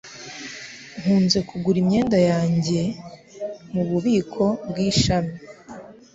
Nkunze kugura imyenda yanjye mububiko bwishami.